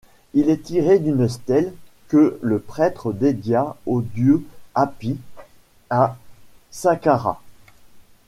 Il est tiré d'une stèle que le prêtre dédia au dieu Apis à Saqqarah.